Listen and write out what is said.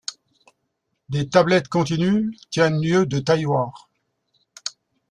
Des tablettes continues tiennent lieu de tailloirs.